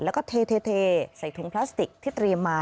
แล้วก็เทใส่ถุงพลาสติกที่เตรียมมา